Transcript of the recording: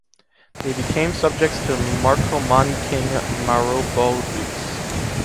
They became subjects to Marcomanni king Maroboduus.